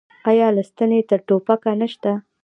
آیا له ستنې تر ټوپکه نشته؟